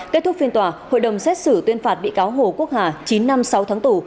kết thúc phiên tòa hội đồng xét xử tuyên phạt bị cáo hồ quốc hà chín năm sáu tháng tù